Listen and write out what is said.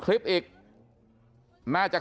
ครับพี่หนูเป็นช้างแต่งหน้านะ